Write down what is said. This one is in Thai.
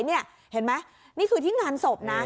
เห็นไหมนี่คือที่งานศพนะ